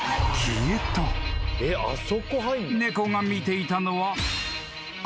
［猫が見ていたのは］